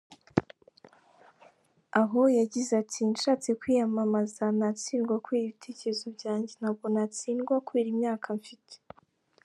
Aho yagize ati “Nshatse kwiyamamaza natsindwa kubera ibitekerezo byange, ntabwo natsindwa kubera imyaka mfite.